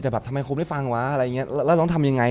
แต่แบบทำไมคนไม่ฟังวะอะไรอย่างเงี้ย